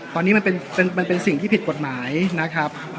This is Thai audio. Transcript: ตอนนี้มันเป็นเป็นเป็นเป็นสิ่งที่ผิดกฎหมายนะครับ